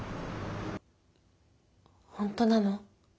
本当なの？